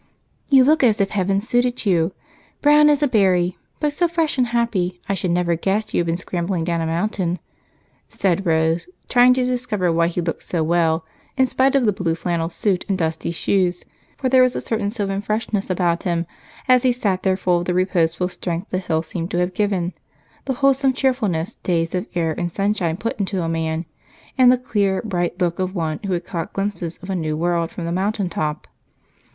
"You look as if heaven suited you. Brown as a berry, but so fresh and happy I should never guess you had been scrambling down a mountain," said Rose, trying to discover why he looked so well in spite of the blue flannel suit and dusty shoes, for there was a certain sylvan freshness about him as he sat there full of reposeful strength the hills seemed to have given, the wholesome cheerful days of air and sunshine put into a man, and the clear, bright look of one who had caught glimpses of a new world from the mountaintop.